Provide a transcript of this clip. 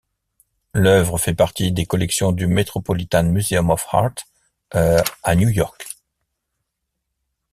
L'œuvre fait partie des collections du Metropolitan Museum of Art, à New York.